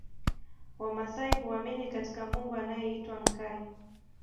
Wamaasai huamini katika Mungu anaeitwa Nkai